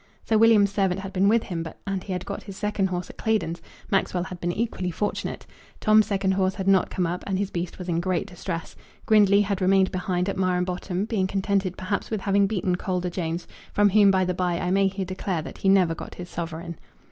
Sir William's servant had been with him, and he had got his second horse at Claydon's; Maxwell had been equally fortunate; Tom's second horse had not come up, and his beast was in great distress; Grindley had remained behind at Marham Bottom, being contented perhaps with having beaten Calder Jones, from whom by the by I may here declare that he never got his sovereign.